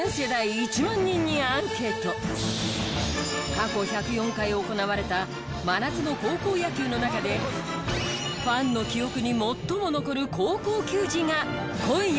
過去１０４回行われた真夏の高校野球の中でファンの記憶に最も残る高校球児が今夜決定！